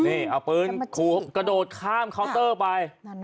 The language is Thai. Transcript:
นี่เอาปืนกระโดดข้ามเคาน์เตอร์ไป